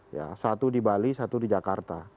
ya satu di bali satu di jakarta